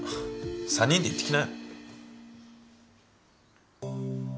３人で行ってきなよ。